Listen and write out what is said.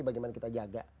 bagaimana kita jaga